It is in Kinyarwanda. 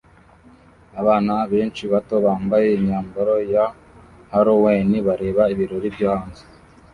Abana benshi bato bambaye imyambaro ya Halloween bareba ibirori byo hanze